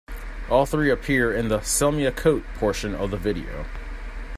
All three appear in the "Sell Me A Coat" portion of the video.